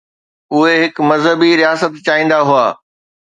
اهي هڪ مذهبي رياست چاهيندا هئا؟